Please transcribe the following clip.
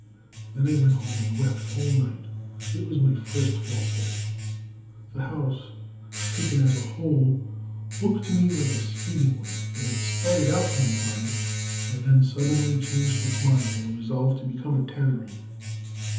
Then I went home and wept all night. It was my first falsehood. The house, taken as a whole, looked to me like a skating rink that had started out to make money, and then suddenly changed its mind and resolved to become a tannery.